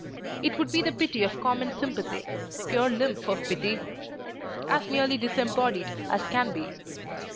It would be the pity of common sympathy, pure lymph of pity, as nearly disembodied as can be.